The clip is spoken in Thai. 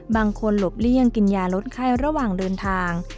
บังคนหลบเลี่ยงกินอย่ารดไข่ระหว่างเดินทาง